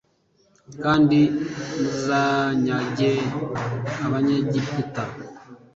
kandi muzanyage abanyegiputa